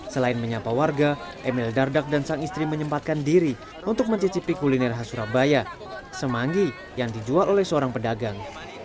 selain menyapa warga emil dardak dan sang istri menyempatkan diri untuk mencicipi kuliner khas surabaya semanggi yang dijual oleh seorang pedagang